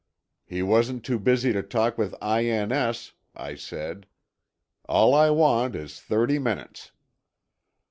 "He wasn't too busy to talk with I.N.S.," I said. "All I want is thirty minutes."